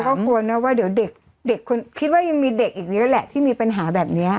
ก็ควรนะว่าเดี๋ยวเด็กคุณคิดว่ายังมีเด็กอีกนิดนึงแหละที่มีปัญหาแบบเนี้ย